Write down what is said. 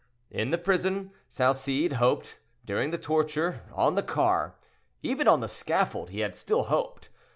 In the prison Salcede hoped; during the torture, on the car, even on the scaffold, he still hoped.